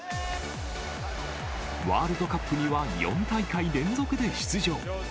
ワールドカップには４大会連続で出場。